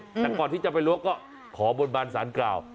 แต่ก่อนที่จะไปล้วงก็ขอบนบานสารกล่าว